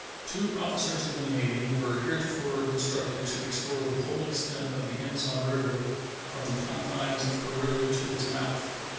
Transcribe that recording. Two officers of the Navy were heretofore instructed to explore the whole extent of the Amazon River from the confines of Peru to its mouth.